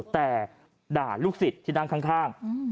แต่ด่าลูกศิษย์ที่นั่งข้าง